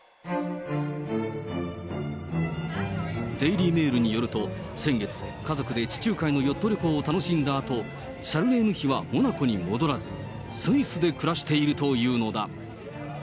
デイリー・メールによると、先月、家族で地中海のヨット旅行を楽しんだあと、シャルレーヌ妃はモナコに戻らず、スイスで暮らしているというのだ。